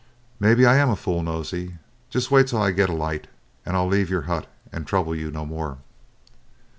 "Maybe I am a fool, Nosey. Just wait till I get a light, and I'll leave your hut and trouble you no more."